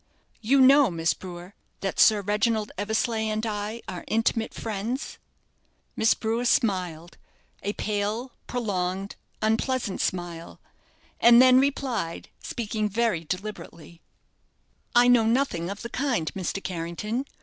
You know, Miss Brewer, that Sir Reginald Eversleigh and I are intimate friends?" Miss Brewer smiled a pale, prolonged, unpleasant smile, and then replied, speaking very deliberately: "I know nothing of the kind, Mr. Carrington.